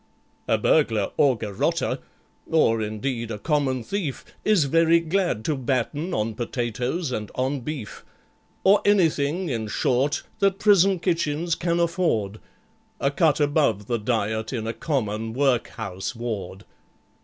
"A burglar or garotter, or, indeed, a common thief Is very glad to batten on potatoes and on beef, Or anything, in short, that prison kitchens can afford,— A cut above the diet in a common workhouse ward.